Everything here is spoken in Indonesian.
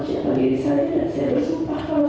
cinta diri saya dan saya bersumpah kalau